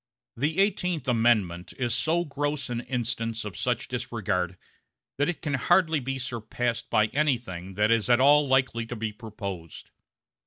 The Eighteenth Amendment is so gross an instance of such disregard that it can hardly be surpassed by anything that is at all likely to be proposed.